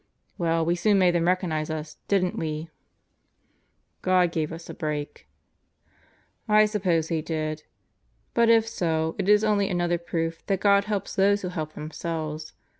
..." "Well, we soon made them recognize us, didn't we?" "God gave us a break." "I suppose He did. But if so, it is only another proof that God Chief Price Is Uneasy 5 helps those who help themselves.